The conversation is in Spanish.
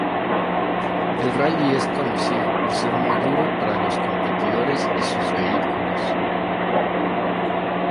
El rally es conocido por ser muy duro para los competidores y sus vehículos.